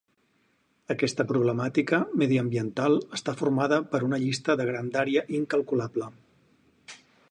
Aquesta problemàtica mediambiental està formada per una llista de grandària incalculable.